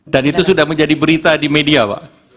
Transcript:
dan itu sudah menjadi berita di media pak